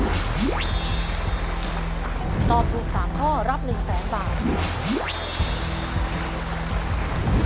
ถ้าตอบถูกสามข้อรับ๑๐๐๐บาท